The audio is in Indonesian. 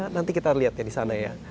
nanti kita lihat ya di sana ya